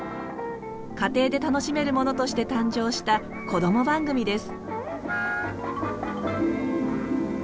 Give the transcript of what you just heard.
家庭で楽しめるものとして誕生したこども番組です。